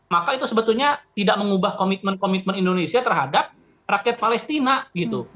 maka itu sebetulnya tidak mengubah komitmen komitmen indonesia terhadap rakyat palestina gitu